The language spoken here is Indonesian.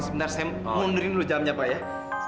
sebentar saya mundurin dulu jamnya pak ya